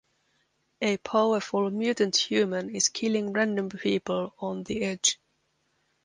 A powerful mutant human is killing random people on The Edge.